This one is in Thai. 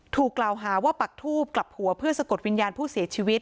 ถูกกล่าวหาว่าปักทูบกลับหัวเพื่อสะกดวิญญาณผู้เสียชีวิต